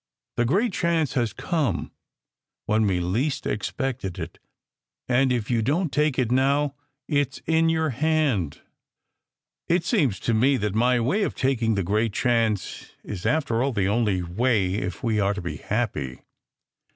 The great chance has come, when we least ex pected it, and if you don t take it now it s in your hand "It seems to me that my way of taking the great chance is after all the only way, if we are to be happy.